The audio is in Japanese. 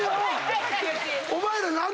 お前ら何で。